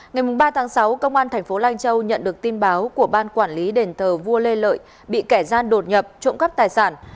ngày ba tháng sáu công an thành phố lai châu nhận được tin báo của ban quản lý đền thờ vua lê lợi bị kẻ gian đột nhập trộm cắp tài sản